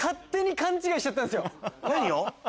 何を？